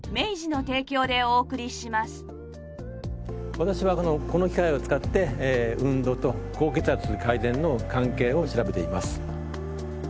私はこの機械を使って運動と高血圧改善の関係を調べています。